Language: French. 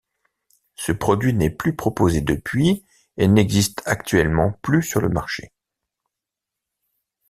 Ce produit n'est plus proposé depuis et n'existe actuellement plus sur le marché.